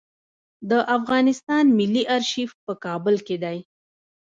د افغانستان ملي آرشیف په کابل کې دی